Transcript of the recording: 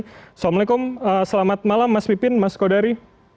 assalamualaikum selamat malam mas pipin mas kodari